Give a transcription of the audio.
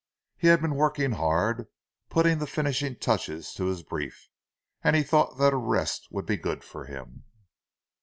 He had been working hard, putting the finishing touches to his brief, and he thought that a rest would be good for him.